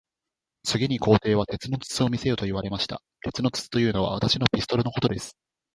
次に皇帝は、鉄の筒を見せよと言われました。鉄の筒というのは、私のピストルのことです。